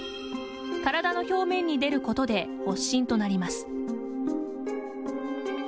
体の表面に出ることで発疹となります。